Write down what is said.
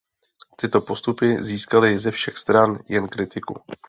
Tyto postupy získaly ze všech stran jen kritiku.